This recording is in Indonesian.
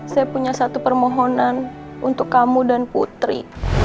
saya punya satu permohonan untuk kamu dan putri